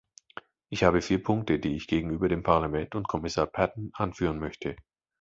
Ich habe vier Punkte, die ich gegenüber dem Parlament und Kommissar Patten anführen möchte.